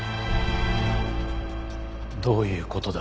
どういう事だ？